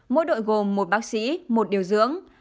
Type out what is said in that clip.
mỗi đội gồm một bác sĩ một điều dưỡng